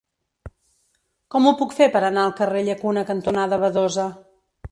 Com ho puc fer per anar al carrer Llacuna cantonada Badosa?